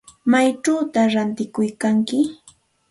¿Maychawta ratikuykan?